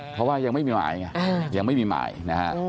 เพราะว่ายังไม่มีหมายไงยังไม่มีหมายนะฮะ